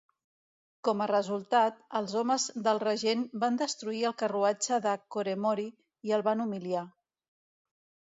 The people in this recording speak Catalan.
Com a resultat, els homes del regent van destruir el carruatge de Koremori i el van humiliar.